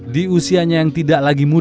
di usianya yang tidak lagi muda